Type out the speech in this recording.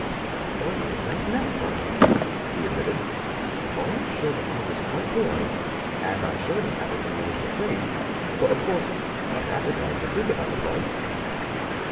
"I really don't know, Clarkson," he admitted. "I am sure that I was quite polite, and I showed him everything he wished to see; but, of course, I had to tell him the truth about the place."